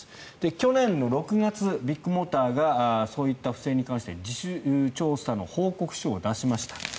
去年の６月、ビッグモーターがそういった不正に関して自主調査の報告書を出しました。